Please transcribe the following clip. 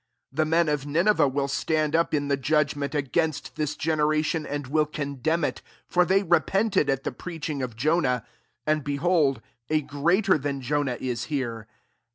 32 " The men of Nineveh will stand up in the judgment a gainst this generation, and will condemn it; for they repented at the preaching of Jonah; and, behold, a greater than Jonah is here.